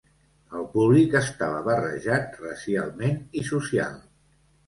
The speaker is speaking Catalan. El públic estava barrejat racialment i social.